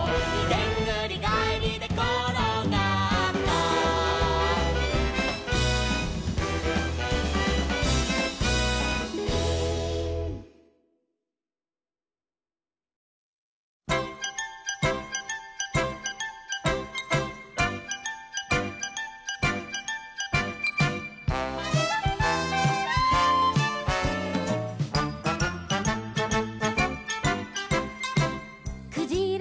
「でんぐりがえりでころがった」「クジラ